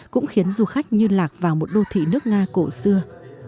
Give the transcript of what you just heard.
cũng khiến du khách như lạc vào một đô thị nước nga cổ xưa